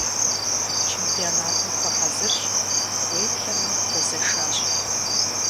Чемпионатым хуэхьэзырщ, уеблэмэ хуэзэшащ.